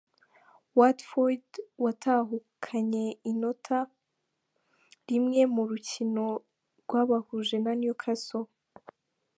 Watford watahukanye inota rimwe mu rukino rwabahuje na Newcastle.